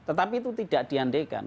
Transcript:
tetapi itu tidak diandaikan